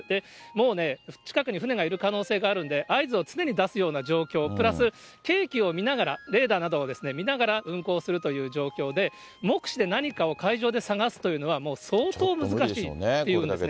もうね、近くに船がいる可能性があるんで、合図を常に出すような状況、プラス、計器を見ながらレーダーなどを見ながら、運航するという状況で、目視で何かを海上で捜すというのは、もう相当難しいというんです